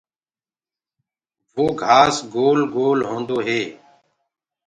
وو گھآس گول گول هوندو هي۔